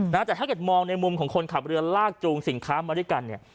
แต่ถ้าเกิดมองในมุมของคนขับเรือลากจูงสินค้ามาด้วยกันเนี่ย